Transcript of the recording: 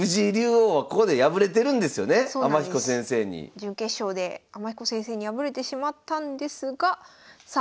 準決勝で天彦先生に敗れてしまったんですがさあ